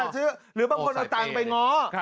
หรือบางคนเอาตังค์ไปง้อ